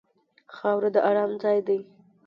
خاوره د ارام ځای دی.